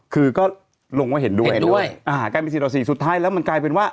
คือก็ลงว่าเห็นด้วยเห็นด้วยอ่ากลายเป็นสี่ต่อสี่สุดท้ายแล้วมันกลายเป็นว่า